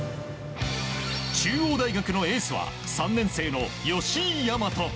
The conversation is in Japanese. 中央大学のエースは３年生の吉居大和。